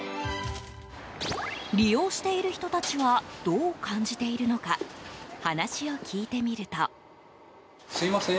利用している人たちはどう感じているのか話を聞いてみると。